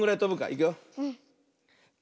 いくよ。と